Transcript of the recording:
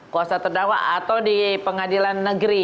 kuasa terdakwa atau di pengadilan negeri